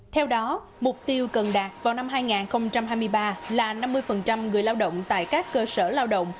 theo đó mục tiêu cần đạt vào năm hai nghìn hai mươi ba là năm mươi người lao động tại các cơ sở lao động